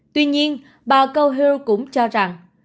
tuy nhiên bà gohil cũng cho rằng